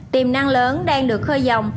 tiềm năng lớn đang được khơi dòng